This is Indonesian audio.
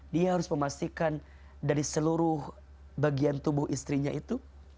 dia harus memastikan dari seluruh bagian tubuh istrinya itu